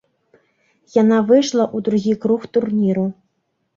Яна выйшла ў другі круг турніру.